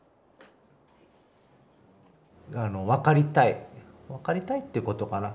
あの分かりたい分かりたいっていうことかな。